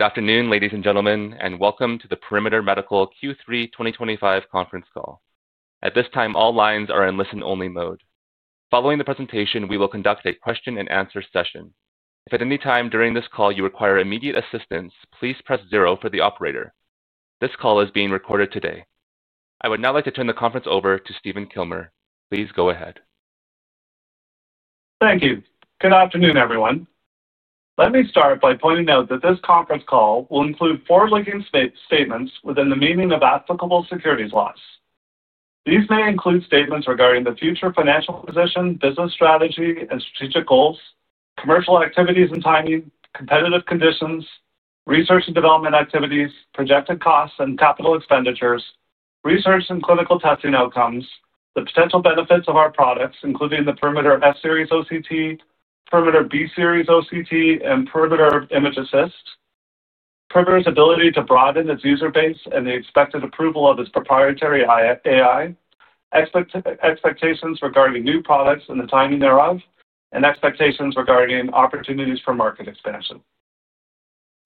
Good afternoon, ladies and gentlemen, and welcome to the Perimeter Medical Imaging AI Q3 2025 conference call. At this time, all lines are in listen-only mode. Following the presentation, we will conduct a question-and-answer session. If at any time during this call you require immediate assistance, please press zero for the operator. This call is being recorded today. I would now like to turn the conference over to Stephen Kilmer. Please go ahead. Thank you. Good afternoon, everyone. Let me start by pointing out that this conference call will include forward-looking statements within the meaning of applicable securities laws. These may include statements regarding the future financial position, business strategy and strategic goals, commercial activities and timing, competitive conditions, research and development activities, projected costs and capital expenditures, research and clinical testing outcomes, the potential benefits of our products, including the Perimeter S Series OCT, Perimeter B Series OCT, and Perimeter Image Assist, Perimeter's ability to broaden its user base and the expected approval of its proprietary AI, expectations regarding new products and the timing thereof, and expectations regarding opportunities for market expansion.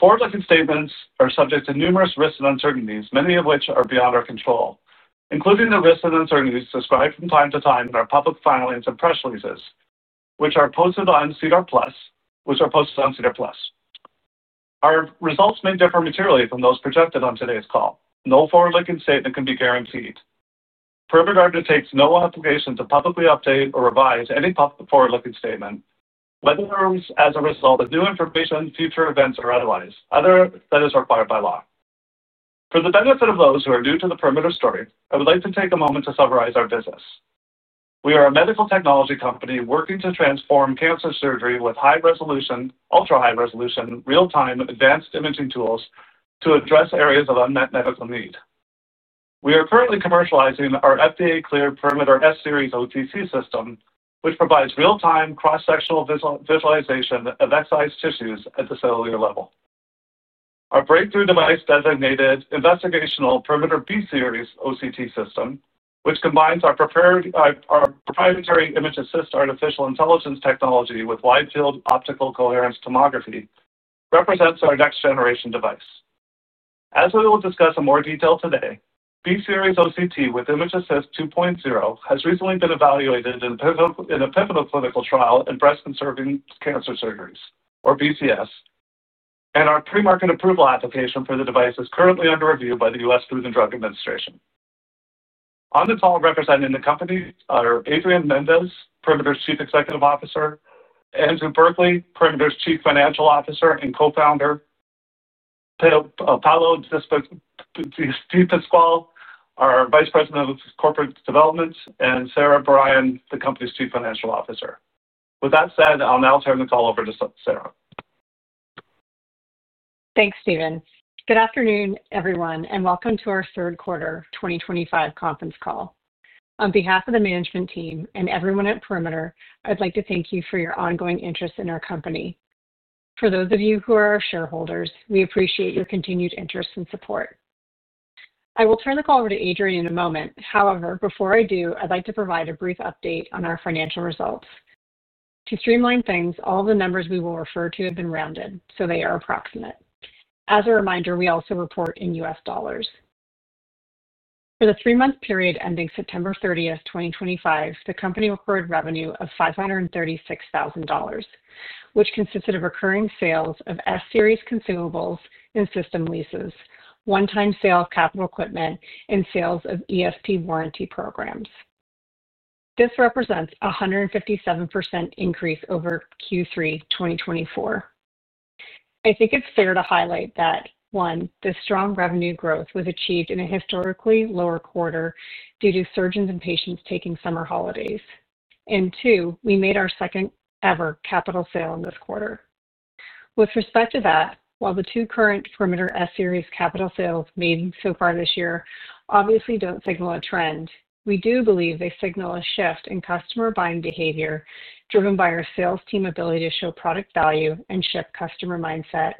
Forward-looking statements are subject to numerous risks and uncertainties, many of which are beyond our control, including the risks and uncertainties described from time to time in our public filings and press releases, which are posted on SEDAR Plus. Our results may differ materially from those projected on today's call. No forward-looking statement can be guaranteed. Perimeter Medical Imaging AI takes no obligation to publicly update or revise any public forward-looking statement, whether those as a result of new information, future events, or otherwise, other than as required by law. For the benefit of those who are new to the Perimeter story, I would like to take a moment to summarize our business. We are a medical technology company working to transform cancer surgery with high resolution, ultra-high resolution, real-time advanced imaging tools to address areas of unmet medical need. We are currently commercializing our FDA-cleared Perimeter S Series OCT system, which provides real-time cross-sectional visualization of excised tissues at the cellular level. Our breakthrough device designated investigational Perimeter B Series OCT system, which combines our proprietary Image Assist artificial intelligence technology with wide-field optical coherence tomography, represents our next-generation device. As we will discuss in more detail today, B Series OCT with Image Assist 2.0 has recently been evaluated in a pivotal clinical trial in breast-conserving cancer surgeries, or BCS, and our pre-market approval application for the device is currently under review by the U.S. Food and Drug Administration. On the call representing the company are Adrian Mendes, Perimeter's Chief Executive Officer; Andrew Berkeley, Perimeter's Chief Financial Officer and co-founder; Paolo De Stipesco, our Vice President of Corporate Development; and Sara Brien, the company's Chief Financial Officer. With that said, I'll now turn the call over to Sara. Thanks, Stephen. Good afternoon, everyone, and welcome to our third quarter 2025 conference call. On behalf of the management team and everyone at Perimeter, I'd like to thank you for your ongoing interest in our company. For those of you who are our shareholders, we appreciate your continued interest and support. I will turn the call over to Adrian in a moment. However, before I do, I'd like to provide a brief update on our financial results. To streamline things, all the numbers we will refer to have been rounded, so they are approximate. As a reminder, we also report in U.S. dollars. For the three-month period ending September 30, 2025, the company recorded revenue of $536,000, which consisted of recurring sales of S Series consumables and system leases, one-time sale of capital equipment, and sales of ESP warranty programs. This represents a 157% increase over Q3 2024. I think it's fair to highlight that, one, this strong revenue growth was achieved in a historically lower quarter due to surgeons and patients taking summer holidays, and two, we made our second-ever capital sale in this quarter. With respect to that, while the two current Perimeter S Series capital sales made so far this year obviously don't signal a trend, we do believe they signal a shift in customer buying behavior driven by our sales team's ability to show product value and shift customer mindset.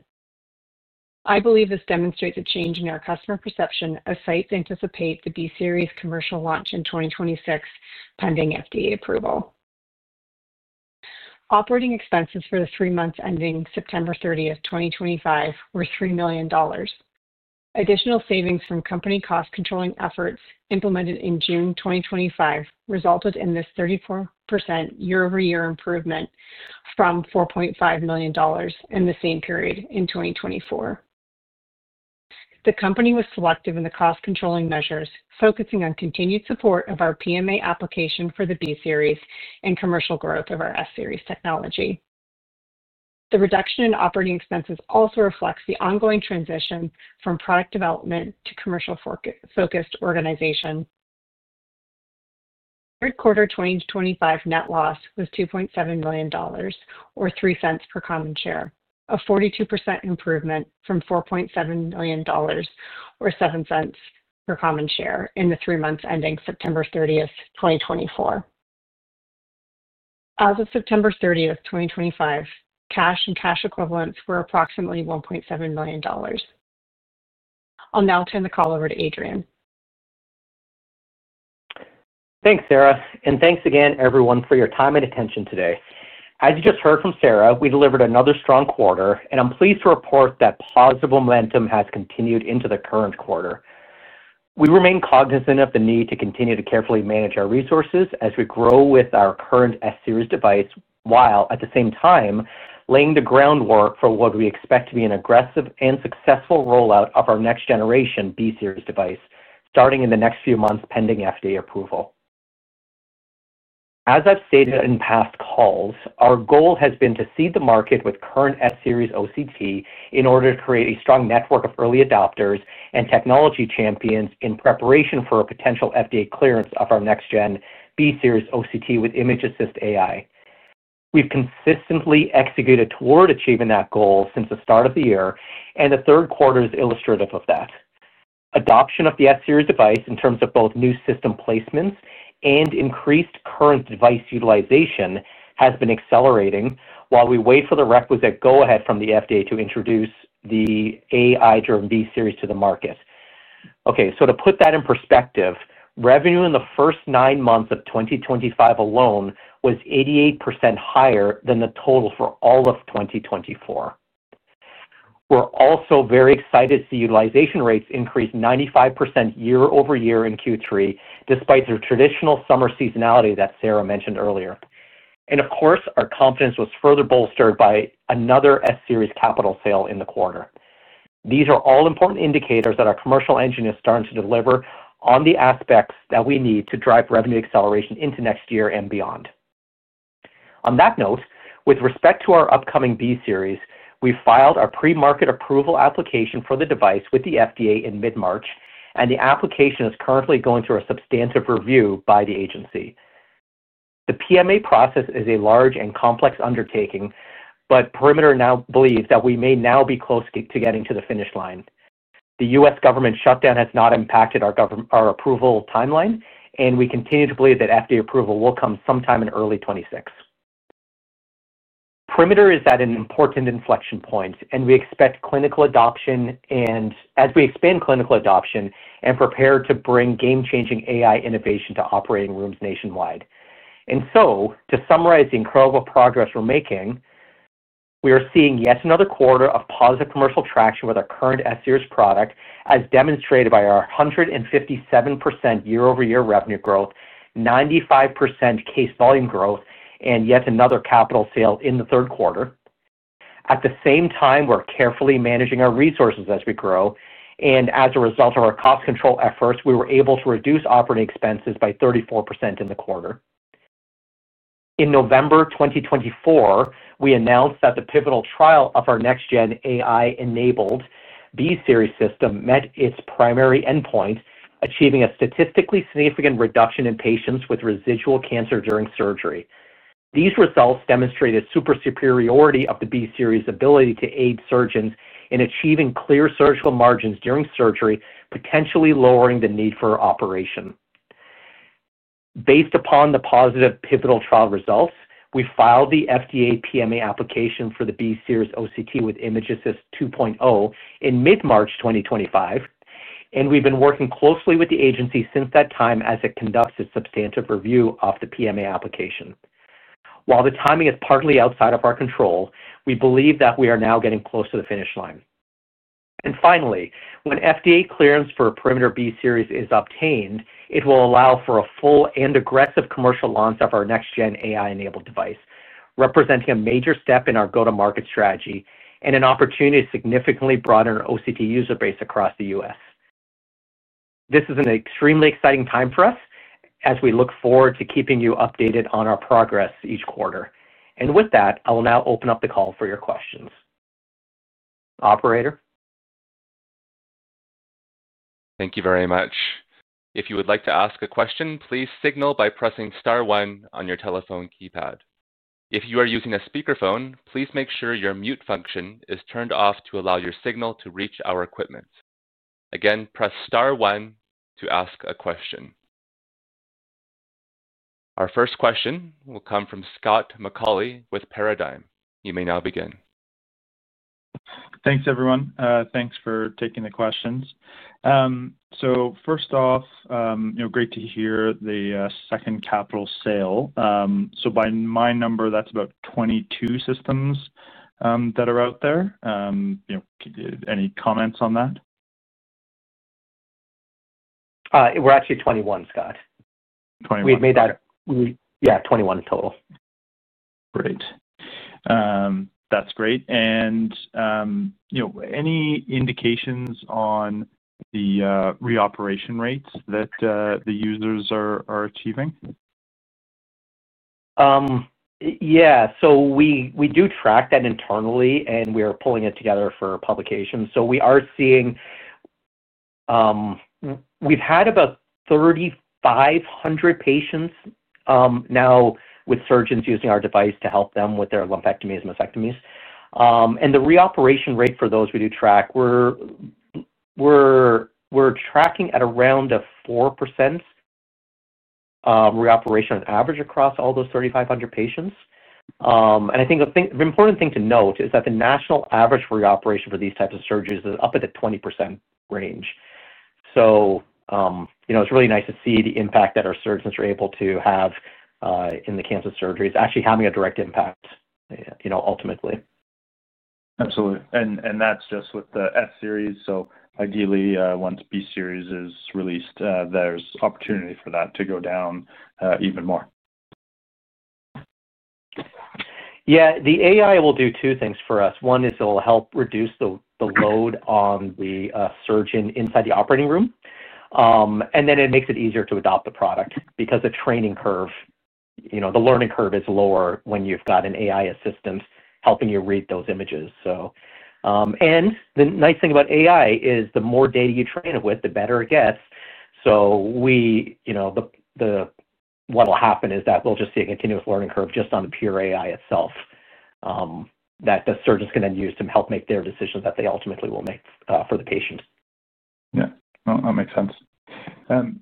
I believe this demonstrates a change in our customer perception as sites anticipate the B Series commercial launch in 2026 pending U.S. Food and Drug Administration approval. Operating expenses for the three months ending September 30, 2025, were $3 million. Additional savings from company cost-controlling efforts implemented in June 2025 resulted in this 34% year-over-year improvement from $4.5 million in the same period in 2024. The company was selective in the cost-controlling measures, focusing on continued support of our PMA application for the B Series and commercial growth of our S Series technology. The reduction in operating expenses also reflects the ongoing transition from product development to commercial-focused organization. Third quarter 2025 net loss was $2.7 million, or $0.03 per common share, a 42% improvement from $4.7 million, or $0.07 per common share, in the three months ending September 30, 2024. As of September 30, 2025, cash and cash equivalents were approximately $1.7 million. I'll now turn the call over to Adrian. Thanks, Sara, and thanks again, everyone, for your time and attention today. As you just heard from Sara, we delivered another strong quarter, and I'm pleased to report that positive momentum has continued into the current quarter. We remain cognizant of the need to continue to carefully manage our resources as we grow with our current S Series device while, at the same time, laying the groundwork for what we expect to be an aggressive and successful rollout of our next-generation B Series device starting in the next few months pending FDA approval. As I've stated in past calls, our goal has been to seed the market with current S Series OCT in order to create a strong network of early adopters and technology champions in preparation for a potential FDA clearance of our next-gen B Series OCT with Image Assist AI. We've consistently executed toward achieving that goal since the start of the year, and the third quarter is illustrative of that. Adoption of the S Series device in terms of both new system placements and increased current device utilization has been accelerating while we wait for the requisite go-ahead from the U.S. Food and Drug Administration to introduce the AI-driven B Series to the market. Okay, to put that in perspective, revenue in the first nine months of 2025 alone was 88% higher than the total for all of 2024. We're also very excited to see utilization rates increase 95% year-over-year in Q3, despite the traditional summer seasonality that Sara Brien mentioned earlier. Of course, our confidence was further bolstered by another S Series capital sale in the quarter. These are all important indicators that our commercial engine is starting to deliver on the aspects that we need to drive revenue acceleration into next year and beyond. On that note, with respect to our upcoming B Series, we filed our pre-market approval application for the device with the U.S. Food and Drug Administration in mid-March, and the application is currently going through a substantive review by the agency. The PMA process is a large and complex undertaking, but Perimeter now believes that we may now be close to getting to the finish line. The U.S. government shutdown has not impacted our approval timeline, and we continue to believe that FDA approval will come sometime in early 2026. Perimeter is at an important inflection point, and we expect clinical adoption, and as we expand clinical adoption, and prepare to bring game-changing AI innovation to operating rooms nationwide. To summarize the incredible progress we're making, we are seeing yet another quarter of positive commercial traction with our current S Series product, as demonstrated by our 157% year-over-year revenue growth, 95% case volume growth, and yet another capital sale in the third quarter. At the same time, we're carefully managing our resources as we grow, and as a result of our cost control efforts, we were able to reduce operating expenses by 34% in the quarter. In November 2024, we announced that the pivotal trial of our next-gen AI-enabled B Series system met its primary endpoint, achieving a statistically significant reduction in patients with residual cancer during surgery. These results demonstrate a superiority of the B Series' ability to aid surgeons in achieving clear surgical margins during surgery, potentially lowering the need for operation. Based upon the positive pivotal trial results, we filed the FDA PMA application for the B Series OCT with Image Assist 2.0 in mid-March 2025, and we've been working closely with the agency since that time as it conducts its substantive review of the PMA application. While the timing is partly outside of our control, we believe that we are now getting close to the finish line. Finally, when FDA clearance for Perimeter B Series is obtained, it will allow for a full and aggressive commercial launch of our next-gen AI-enabled device, representing a major step in our go-to-market strategy and an opportunity to significantly broaden our OCT user base across the U.S. This is an extremely exciting time for us as we look forward to keeping you updated on our progress each quarter. With that, I will now open up the call for your questions. Operator. Thank you very much. If you would like to ask a question, please signal by pressing star one on your telephone keypad. If you are using a speakerphone, please make sure your mute function is turned off to allow your signal to reach our equipment. Again, press star one to ask a question. Our first question will come from Scott McAuley with Paradigm Capital. You may now begin. Thanks, everyone. Thanks for taking the questions. First off, great to hear the second capital sale. By my number, that's about 22 systems that are out there. Any comments on that? We're actually 21, Scott. 21. Okay. We've made that, yeah, 21 in total. Great. That's great. Any indications on the re-operation rates that the users are achieving? Yeah. So we do track that internally, and we are pulling it together for publication. We are seeing we've had about 3,500 patients now with surgeons using our device to help them with their lumpectomies and mastectomies. The re-operation rate for those we do track, we're tracking at around a 4% re-operation on average across all those 3,500 patients. I think the important thing to note is that the national average re-operation for these types of surgeries is up at the 20% range. It's really nice to see the impact that our surgeons are able to have in the cancer surgeries. It's actually having a direct impact, ultimately. Absolutely. That's just with the S Series. Ideally, once B Series is released, there's opportunity for that to go down even more. Yeah. The AI will do two things for us. One is it'll help reduce the load on the surgeon inside the operating room. It makes it easier to adopt the product because the training curve, the learning curve is lower when you've got an AI assistant helping you read those images. The nice thing about AI is the more data you train it with, the better it gets. What will happen is that we'll just see a continuous learning curve just on the pure AI itself that the surgeons can then use to help make their decisions that they ultimately will make for the patient. Yeah. That makes sense.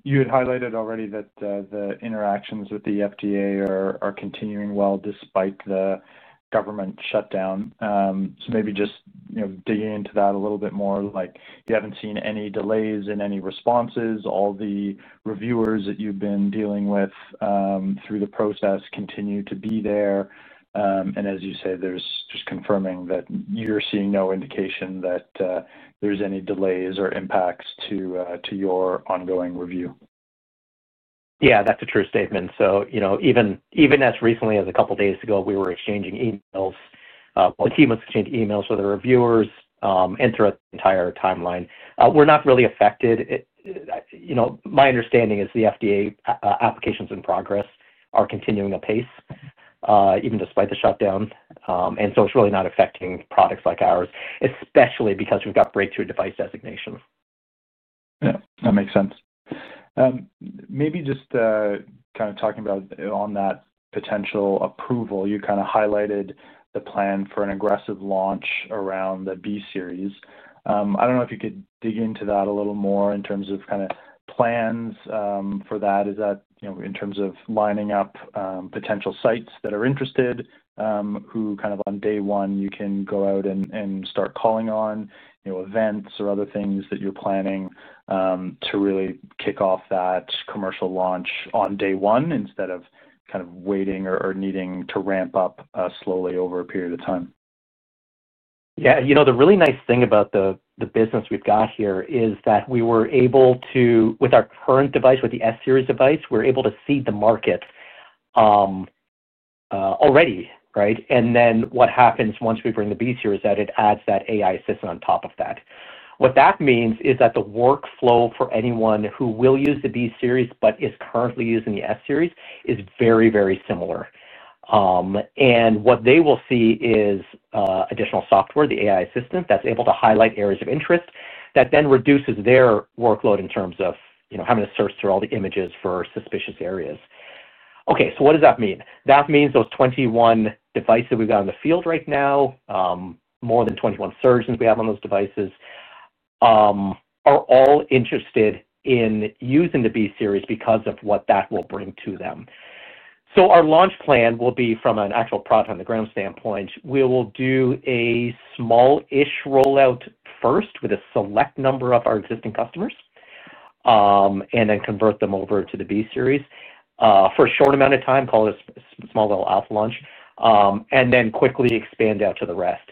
You had highlighted already that the interactions with the U.S. Food and Drug Administration are continuing well despite the government shutdown. Maybe just digging into that a little bit more. You haven't seen any delays in any responses. All the reviewers that you've been dealing with through the process continue to be there. As you say, just confirming that you're seeing no indication that there's any delays or impacts to your ongoing review. Yeah, that's a true statement. Even as recently as a couple of days ago, we were exchanging emails. A few months exchanged emails with our reviewers and throughout the entire timeline. We're not really affected. My understanding is the U.S. Food and Drug Administration applications in progress are continuing the pace, even despite the shutdown. It's really not affecting products like ours, especially because we've got breakthrough device designations. Yeah. That makes sense. Maybe just kind of talking about on that potential approval, you kind of highlighted the plan for an aggressive launch around the B Series. I don't know if you could dig into that a little more in terms of kind of plans for that. Is that in terms of lining up potential sites that are interested, who kind of on day one, you can go out and start calling on events or other things that you're planning to really kick off that commercial launch on day one instead of kind of waiting or needing to ramp up slowly over a period of time? Yeah. The really nice thing about the business we've got here is that we were able to, with our current device, with the S Series device, we're able to seed the market already, right? What happens once we bring the B Series is that it adds that AI assistant on top of that. What that means is that the workflow for anyone who will use the B Series but is currently using the S Series is very, very similar. What they will see is additional software, the AI assistant that's able to highlight areas of interest that then reduces their workload in terms of having to search through all the images for suspicious areas. Okay, so what does that mean? That means those 21 devices we've got in the field right now, more than 21 surgeons we have on those devices, are all interested in using the B Series because of what that will bring to them. Our launch plan will be from an actual product on the ground standpoint. We will do a small-ish rollout first with a select number of our existing customers and then convert them over to the B Series for a short amount of time, call it a small little alpha launch, and then quickly expand out to the rest.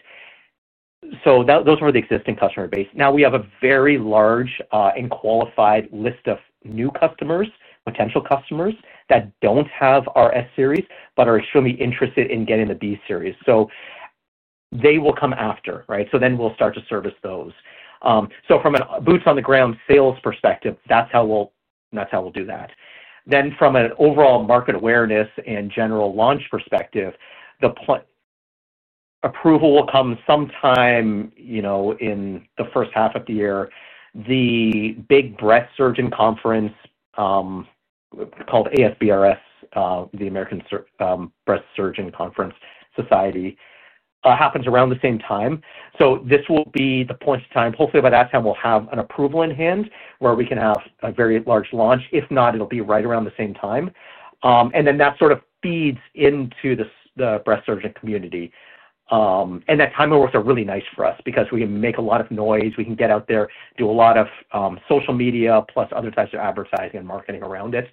Those are the existing customer base. Now, we have a very large and qualified list of new customers, potential customers that do not have our S Series but are extremely interested in getting the B Series. They will come after, right? Then we will start to service those. From a boots-on-the-ground sales perspective, that's how we'll do that. From an overall market awareness and general launch perspective, the approval will come sometime in the first half of the year. The big breast surgeon conference called ASBRS, the American Society of Breast Surgeons, happens around the same time. This will be the point of time. Hopefully, by that time, we'll have an approval in hand where we can have a very large launch. If not, it'll be right around the same time. That sort of feeds into the breast surgeon community. That time of work is really nice for us because we can make a lot of noise. We can get out there, do a lot of social media, plus other types of advertising and marketing around it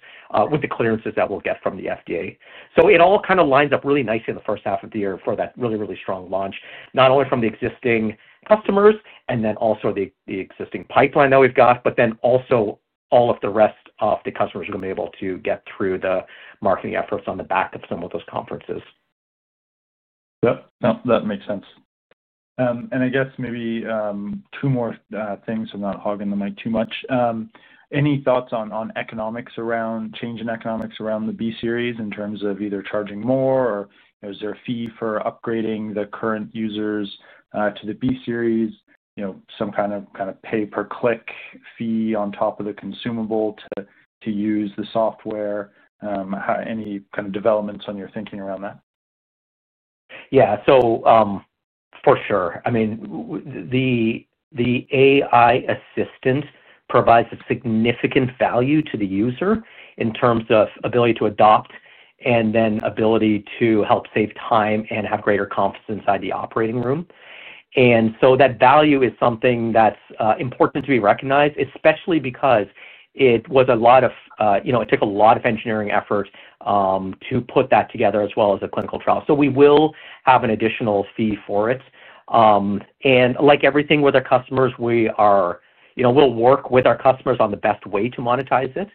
with the clearances that we'll get from the U.S. Food and Drug Administration. It all kind of lines up really nicely in the first half of the year for that really, really strong launch, not only from the existing customers and then also the existing pipeline that we've got, but then also all of the rest of the customers who are going to be able to get through the marketing efforts on the back of some of those conferences. Yeah. That makes sense. I guess maybe two more things so I'm not hogging the mic too much. Any thoughts on economics around change in economics around the B Series in terms of either charging more or is there a fee for upgrading the current users to the B Series? Some kind of pay-per-click fee on top of the consumable to use the software? Any kind of developments on your thinking around that? Yeah. For sure. I mean, the AI assistant provides a significant value to the user in terms of ability to adopt and then ability to help save time and have greater confidence inside the operating room. That value is something that's important to be recognized, especially because it took a lot of engineering effort to put that together as well as a clinical trial. We will have an additional fee for it. Like everything with our customers, we'll work with our customers on the best way to monetize it.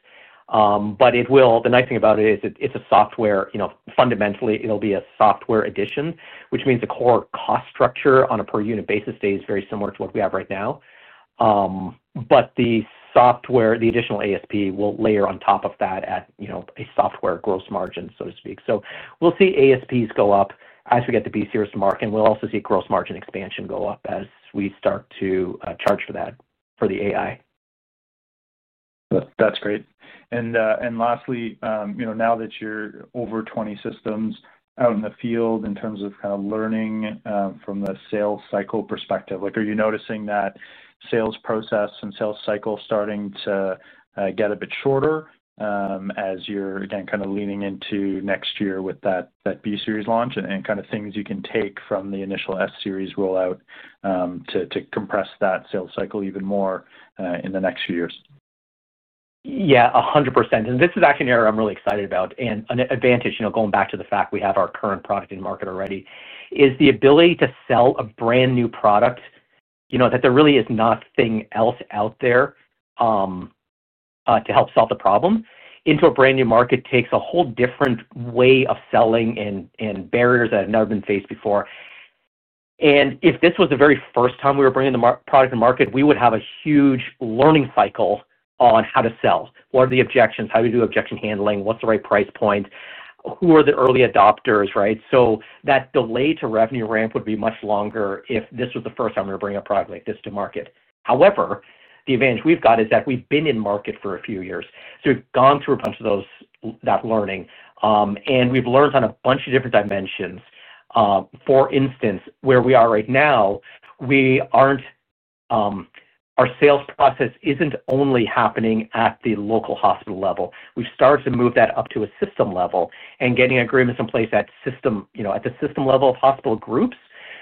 The nice thing about it is it's a software. Fundamentally, it'll be a software addition, which means the core cost structure on a per-unit basis stays very similar to what we have right now. The software, the additional ASP will layer on top of that at a software gross margin, so to speak. We'll see ASPs go up as we get the B Series to market. We'll also see gross margin expansion go up as we start to charge for that for the AI. That's great. Lastly, now that you're over 20 systems out in the field in terms of kind of learning from the sales cycle perspective, are you noticing that sales process and sales cycle starting to get a bit shorter as you're, again, kind of leaning into next year with that B Series launch and kind of things you can take from the initial S Series rollout to compress that sales cycle even more in the next few years? Yeah, 100%. This is actually an area I'm really excited about. An advantage, going back to the fact we have our current product in the market already, is the ability to sell a brand new product that there really is not a thing else out there to help solve the problem into a brand new market takes a whole different way of selling and barriers that have never been faced before. If this was the very first time we were bringing the product to market, we would have a huge learning cycle on how to sell. What are the objections? How do we do objection handling? What's the right price point? Who are the early adopters, right? That delay to revenue ramp would be much longer if this was the first time we were bringing a product like this to market. However, the advantage we've got is that we've been in market for a few years. We've gone through a bunch of that learning. We've learned on a bunch of different dimensions. For instance, where we are right now, our sales process isn't only happening at the local hospital level. We've started to move that up to a system level and getting agreements in place at the system level of hospital groups,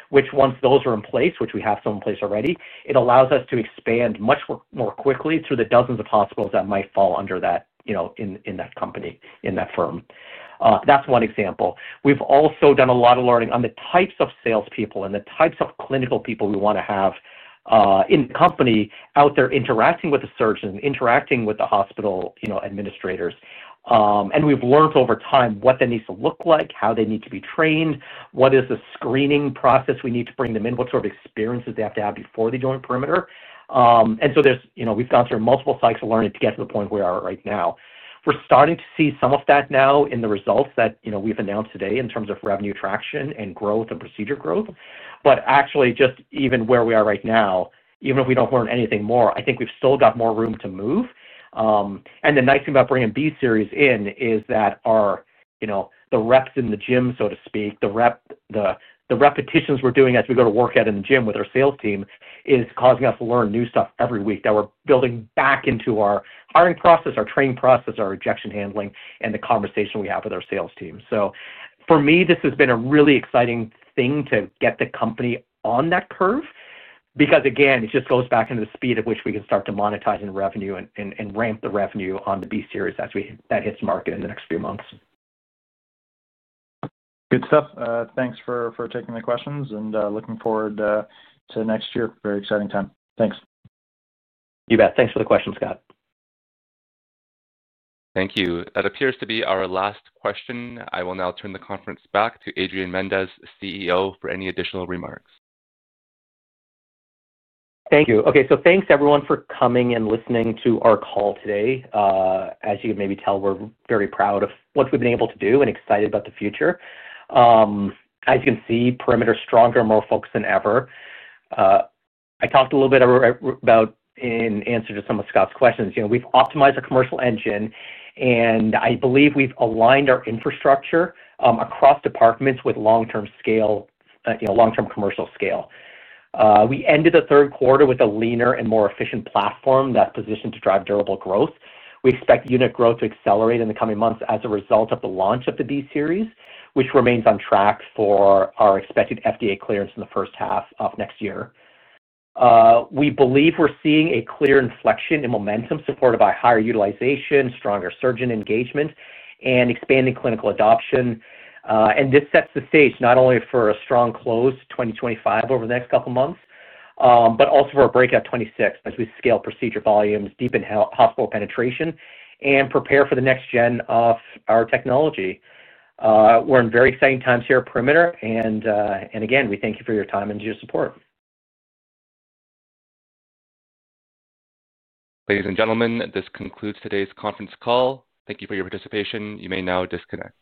which, once those are in place, which we have some in place already, it allows us to expand much more quickly through the dozens of hospitals that might fall under that in that company, in that firm. That's one example. We've also done a lot of learning on the types of salespeople and the types of clinical people we want to have in the company out there interacting with the surgeon, interacting with the hospital administrators. We have learned over time what they need to look like, how they need to be trained, what is the screening process we need to bring them in, what sort of experiences they have to have before they join Perimeter. We have gone through multiple cycles of learning to get to the point we are right now. We are starting to see some of that now in the results that we have announced today in terms of revenue traction and growth and procedure growth. Actually, just even where we are right now, even if we do not learn anything more, I think we have still got more room to move. The nice thing about bringing B Series in is that the reps in the gym, so to speak, the repetitions we're doing as we go to work at in the gym with our sales team is causing us to learn new stuff every week that we're building back into our hiring process, our training process, our rejection handling, and the conversation we have with our sales team. For me, this has been a really exciting thing to get the company on that curve because, again, it just goes back into the speed at which we can start to monetize and revenue and ramp the revenue on the B Series as that hits the market in the next few months. Good stuff. Thanks for taking the questions and looking forward to next year. Very exciting time. Thanks. You bet. Thanks for the question, Scott. Thank you. That appears to be our last question. I will now turn the conference back to Adrian Mendes, CEO, for any additional remarks. Thank you. Okay. So thanks, everyone, for coming and listening to our call today. As you can maybe tell, we're very proud of what we've been able to do and excited about the future. As you can see, Perimeter Medical Imaging AI is stronger, more focused than ever. I talked a little bit about in answer to some of Scott's questions. We've optimized a commercial engine, and I believe we've aligned our infrastructure across departments with long-term scale, long-term commercial scale. We ended the third quarter with a leaner and more efficient platform that's positioned to drive durable growth. We expect unit growth to accelerate in the coming months as a result of the launch of the B Series, which remains on track for our expected U.S. Food and Drug Administration clearance in the first half of next year. We believe we're seeing a clear inflection in momentum supported by higher utilization, stronger surgeon engagement, and expanding clinical adoption. This sets the stage not only for a strong close to 2025 over the next couple of months, but also for a breakout 2026 as we scale procedure volumes, deepen hospital penetration, and prepare for the next gen of our technology. We're in very exciting times here at Perimeter. Again, we thank you for your time and your support. Ladies and gentlemen, this concludes today's conference call. Thank you for your participation. You may now disconnect.